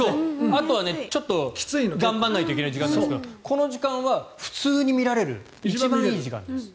あとはちょっと頑張らないといけない時間ですがこの時間は普通に見られる一番いい時間です。